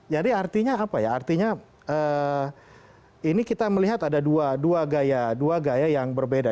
jadi artinya apa ya artinya ini kita melihat ada dua gaya yang berbeda